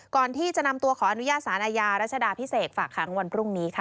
ก่อนที่จะนำตัวขออนุญาตสารอาญารัชดาพิเศษฝากขังวันพรุ่งนี้ค่ะ